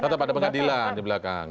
tata pada pengadilan di belakang